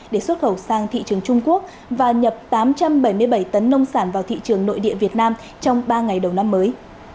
để xuất khẩu sang thị trường trung quốc và nhập tám trăm bảy mươi bảy tấn nông sản vào thị trường nội địa việt nam trong ba ngày đầu năm mới